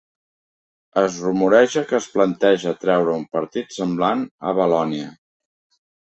Es rumoreja que es planteja treure un partit semblant a Valònia.